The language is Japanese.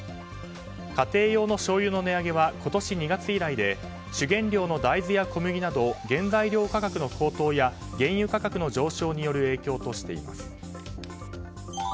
家庭用のしょうゆの値上げは今年２月以来で主原料の大豆や小麦など原材料価格の高騰や原油価格の上昇による影響としています。